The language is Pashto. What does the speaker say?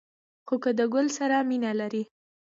خو که د گل سره مینه لرئ